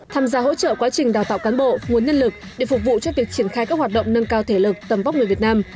tham gia hỗ trợ quá trình đào tạo cán bộ nguồn nhân lực để phục vụ cho việc triển khai các hoạt động nâng cao thể lực tầm vóc người việt nam